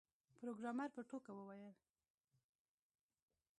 پروګرامر په ټوکه وویل